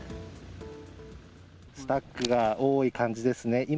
スタックが多い感じですね。